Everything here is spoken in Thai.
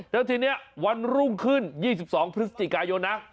แล้วทีนี้วันรุ่งขึ้น๒๒พฤศจิกายนนะ